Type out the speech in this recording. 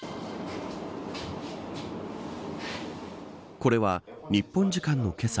これは、日本時間のけさ